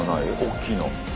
大きいの。